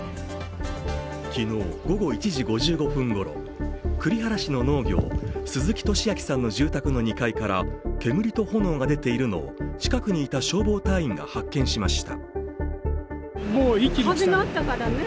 昨日午後１時５５分ごろ、栗原市の農業、鈴木利昭さんの住宅の２階から煙と炎が出ているのを近くにいた消防隊員が発見しました。